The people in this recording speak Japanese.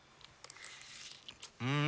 うん！